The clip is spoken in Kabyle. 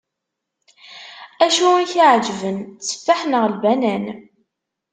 Acu i k-iεeǧben, tteffaḥ neɣ lbanan?